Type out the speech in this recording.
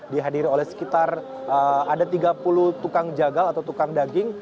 dihadiri oleh sekitar ada tiga puluh tukang jagal atau tukang daging